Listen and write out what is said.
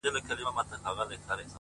هغه چي هيڅو نه لري په دې وطن کي’